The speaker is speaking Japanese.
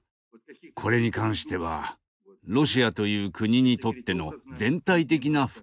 これに関してはロシアという国にとっての全体的な不幸の感覚